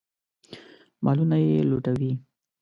مالونه یې لوټوي.